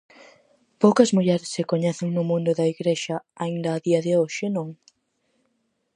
Poucas mulleres se coñecen no mundo da igrexa aínda a día de hoxe, non?